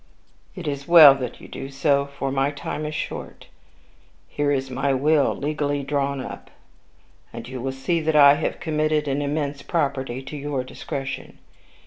"It is well that you do so, for my time is short. Here is my will, legally drawn up, and you will see that I have committed an immense property to your discretion.